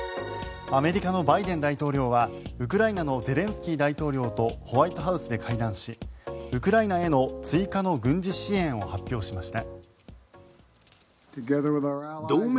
アメリカのバイデン大統領はウクライナのゼレンスキー大統領とホワイトハウスで会談しウクライナへの追加の軍事支援を発表しました。